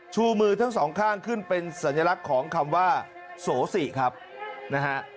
ชูมือทั้งสองข้างขึ้นเป็นสัญลักษณ์ของคำว่าโสสิครับนะฮะ